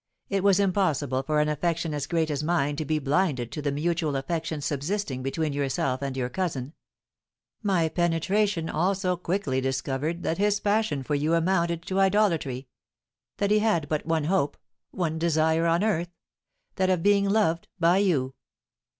It was impossible for an affection as great as mine to be blinded to the mutual affection subsisting between yourself and your cousin; my penetration also quickly discovered that his passion for you amounted to idolatry; that he had but one hope, one desire on earth, that of being loved by you.